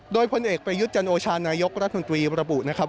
โดยพลเอกประยุทธ์จันโอชานายกรัฐมนตรีระบุนะครับ